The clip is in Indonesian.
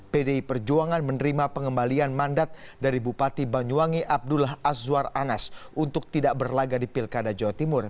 pdi perjuangan menerima pengembalian mandat dari bupati banyuwangi abdullah azwar anas untuk tidak berlaga di pilkada jawa timur